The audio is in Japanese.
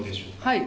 はい！